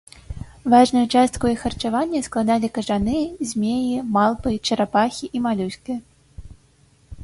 Важную частку іх харчавання складалі кажаны, змеі, малпы, чарапахі і малюскі.